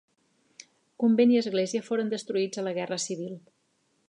Convent i església foren destruïts a la guerra civil.